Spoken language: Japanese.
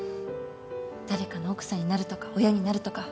誰かの奥さんになるとか親になるとか